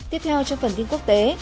tiếp theo trong phần tin quốc tế